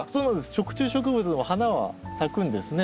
食虫植物も花は咲くんですね。